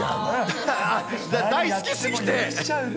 大好きすぎて。